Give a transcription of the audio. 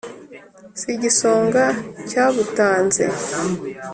Si igisonga cyabutanze